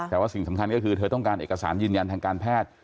แต่ว่าสิ่งสำคัญก็คือเธอต้องการเอกสารยืนยันทางการแพทย์